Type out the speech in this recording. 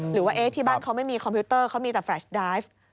หรือว่าที่บ้านเขาไม่มีคอมพิวเตอร์เขามีแต่แรชดาฟ